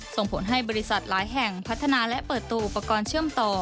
ส่งผลให้บริษัทหลายแห่งพัฒนาและเปิดตัวอุปกรณ์เชื่อมต่อ